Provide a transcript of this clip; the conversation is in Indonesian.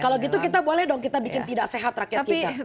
kalau gitu kita boleh dong kita bikin tidak sehat rakyat kita